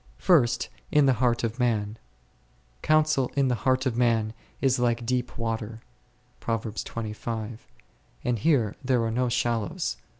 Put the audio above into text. First, in the heart of man ; Counsel in the heart of man is like deep water e , and here there are no shal lows.